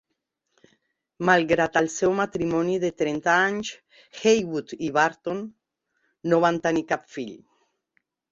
Malgrat el seu matrimoni de trenta anys, Heywood i Barton no van tenir cap fill.